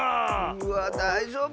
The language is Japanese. うわだいじょうぶ？